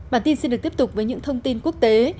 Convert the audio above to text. bản tin xin được tiếp tục với những thông tin quốc tế